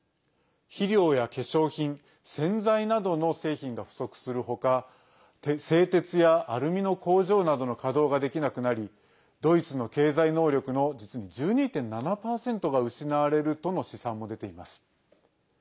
肥料や化粧品、洗剤などの製品が不足するほか製鉄やアルミの工場などの稼働ができなくなりドイツの経済能力の実に１２．７％が失われるとの試算も出ています。